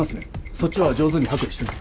そっちは上手に剥離してます。